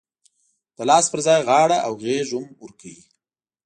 د لاس پر ځای غاړه او غېږ هم ورکوي.